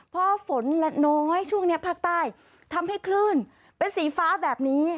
พอฝนละน้อยช่วงนี้ภาคใต้ทำให้คลื่นเป็นสีฟ้าแบบนี้